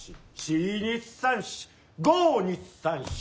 ５２３４。